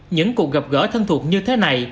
những cuộc gặp gỡ thân thuộc như thế này